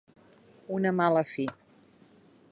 -Una mala fi…